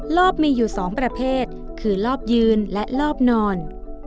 รอบมีอยู่๒ประเภทคือรอบยืนและรอบนอน